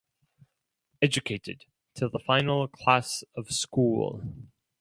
Educated till the final class of school.